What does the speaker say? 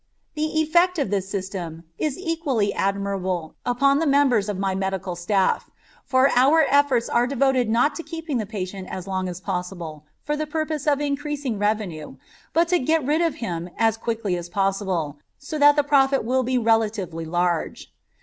The effect of this system is equally admirable upon the members of my medical staff, for our efforts are devoted not to keeping the patient as long as possible for the purpose of increasing revenue but to getting rid of him as quickly as possible, so that the profit will be relatively large.